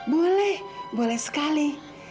boleh boleh sekali